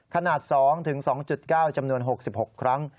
ขนาด๒๒๙จำนวน๖๖ครั้ง